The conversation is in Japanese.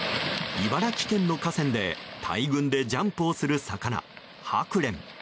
茨城県の河川で、大群でジャンプをする魚ハクレン。